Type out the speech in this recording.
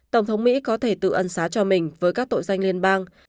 tổng thống mỹ có thể tự ân xá cho mình với các tội danh liên bang